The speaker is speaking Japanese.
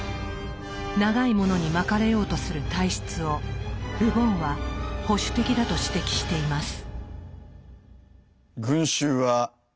長いものに巻かれようとする体質をル・ボンは保守的だと指摘しています。